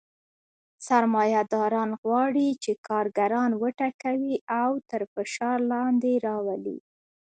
سرمایه داران غواړي چې کارګران وټکوي او تر فشار لاندې راولي